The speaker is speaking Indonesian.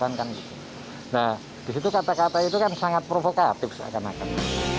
nah disitu kata kata itu kan sangat provokatif seakan akan